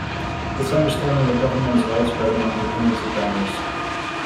This understanding of government is widespread among dependency grammars.